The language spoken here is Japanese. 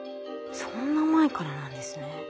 そんな前からなんですね。